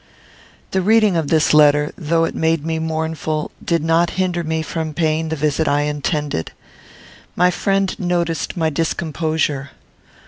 The reading of this letter, though it made me mournful, did not hinder me from paying the visit I intended. My friend noticed my discomposure.